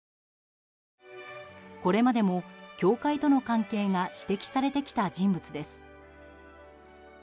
これまでも教会との関係が指摘されてきた人物です。